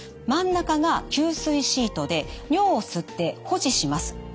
真ん中が吸水シートで尿を吸って保持します。